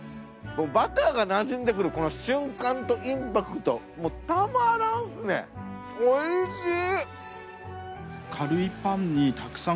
バターがなじんでくるこの瞬間とインパクトもうたまらんすねおいしい！